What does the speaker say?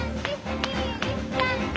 ２２３４。